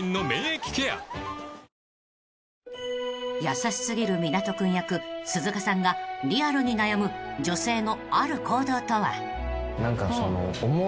［優し過ぎる湊斗君役鈴鹿さんがリアルに悩む女性のある行動とは？］